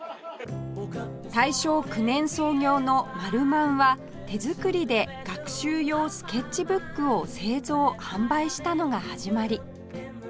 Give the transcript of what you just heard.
大正９年創業のマルマンは手作りで学習用スケッチブックを製造販売したのが始まり